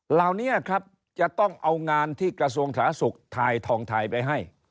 เหล่านี้ครับจะต้องเอางานที่กระทรวงสาธารณสุขถ่ายทองทายไปให้